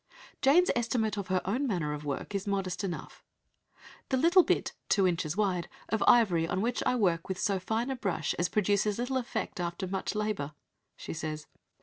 Jane's estimate of her own manner of work is modest enough. "The little bit (two inches wide) of ivory on which I work with so fine a brush as produces little effect after much labour," she says.